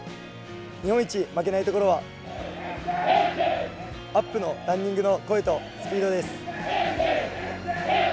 日本一負けないところはアップのランニングの声とスピードです。